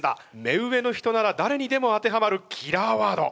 目上の人ならだれにでも当てはまるキラーワード。